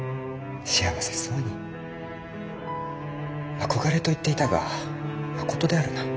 憧れと言っていたがまことであるな。